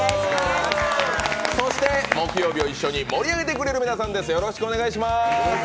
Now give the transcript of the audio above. そして木曜日を一緒に盛り上げてくれる皆さんです。